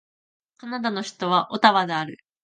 カナダの首都はオタワである